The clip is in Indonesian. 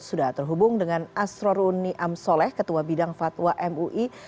sudah terhubung dengan astro runi amsoleh ketua bidang fatwa mui